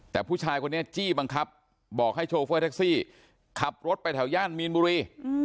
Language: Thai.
แต่ผู้ชายคนนี้จี้บังคับบอกให้โชเฟอร์แท็กซี่ขับรถไปแถวย่านมีนบุรี